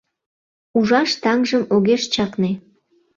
Ужаш таҥжым, огеш чакне